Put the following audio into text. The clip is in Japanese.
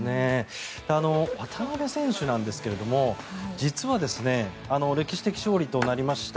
渡邊選手なんですが実は歴史的勝利となりました